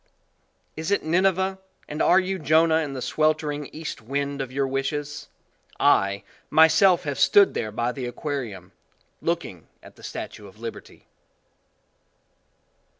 Is it Nineveh and are you Jonah in the sweltering east wind of your wishes? I, myself have stood there by the aquarium, looking at the Statue of Liberty.